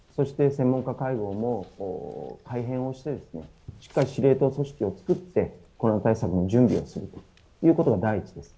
そして、専門家会合もしっかり司令塔組織を作ってコロナ対策の準備をするということが第一です。